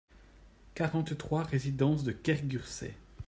quarante-trois résidence de Kergurset